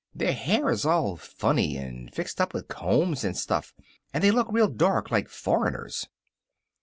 Their hair is all funny, and fixed up with combs and stuff, and they look real dark like foreigners."